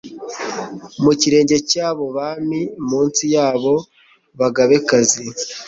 Mu kirenge cy'abo bami munsi y'abo bagabekazi